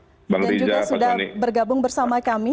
waalaikumsalam selamat malam dan juga sudah bergabung bersama kami